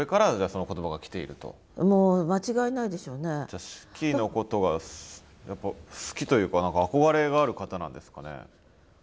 じゃ子規のことが好きというか憧れがある方なんですかね。